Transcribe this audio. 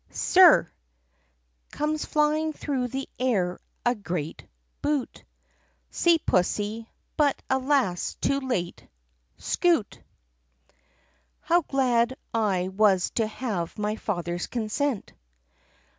Sir!" Comes flying through the air a great Boot. See pussy — but, alas, too late — Scoot! OW glad I was to have my father's consent!"